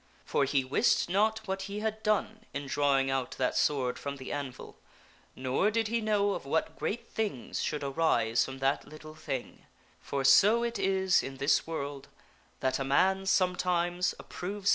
For he wist not what he had done in drawing out that sword from the anvil, nor did he know of what great things should arise from that little thing, for so it is in this world that a man sometimes approves him i8 THE WINNING OF KINGHOOD.